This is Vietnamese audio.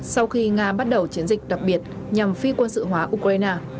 sau khi nga bắt đầu chiến dịch đặc biệt nhằm phi quân sự hóa ukraine